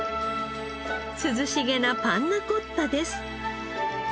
涼しげなパンナコッタです。